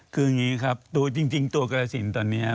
คืออย่างนี้ครับตัวจริงตัวกรสินตอนนี้